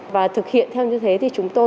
và thực hiện theo như thế thì chúng tôi